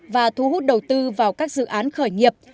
và thu hút đầu tư vào các dự án khởi nghiệp